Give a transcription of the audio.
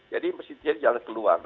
jadi mesti jalan keluar